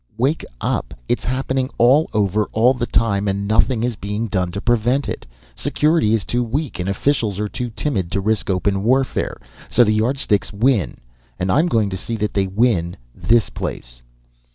"Wake up! It's happening all over, all the time, and nothing is being done to prevent it. Security is too weak and officials are too timid to risk open warfare. So the Yardsticks win, and I'm going to see that they win this place."